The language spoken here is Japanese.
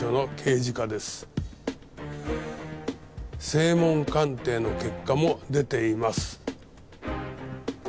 声紋鑑定の結果も出ています。